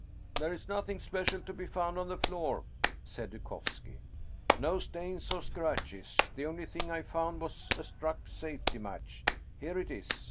" There is nothing special to be found on the floor," said Dukovski. " No stains or scratches. The only thing I found was a struck safety match. Here it is!